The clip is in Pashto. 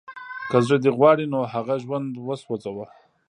که زړه دې غواړي نو هغه ژوندی وسوځوه